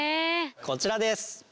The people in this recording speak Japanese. こちらです。